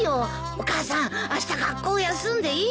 お母さんあした学校休んでいい？